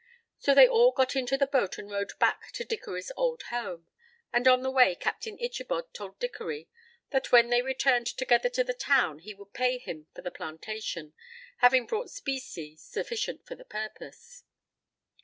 So they all got into the boat and rowed back to Dickory's old home, and on the way Captain Ichabod told Dickory that when they returned together to the town he would pay him for the plantation, having brought specie sufficient for the purpose.